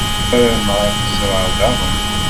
Sarameɣ ad k-ẓṛeɣ daɣen.